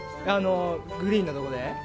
グリーンのとこで？